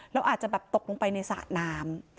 แล้วอาจจะแบบตกลงไปในสระน้ำ